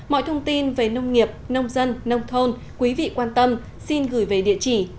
mọi thông tin về nông nghiệp nông dân nông thôn quý vị quan tâm xin gửi về địa chỉ